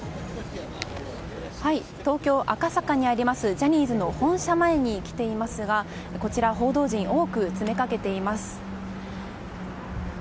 東京・赤坂にありますジャニーズの本社前に来ていますがこちら、報道陣多く詰めかけています。